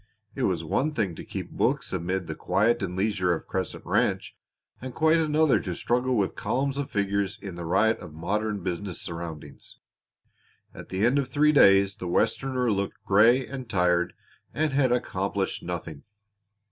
It was one thing to keep books amid the quiet and leisure of Crescent Ranch, and quite another to struggle with columns of figures in the riot of modern business surroundings. At the end of three days the Westerner looked gray and tired, and had accomplished nothing.